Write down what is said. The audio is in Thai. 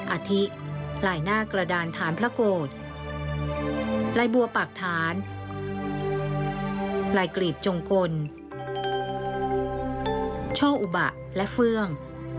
อาทิลายหน้ากระดานฐานพระโกรธลายบัวปากฐานลายกลีบจงกลช่ออุบะและเฟื่อง